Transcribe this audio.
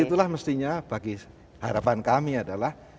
itulah mestinya bagi harapan kami adalah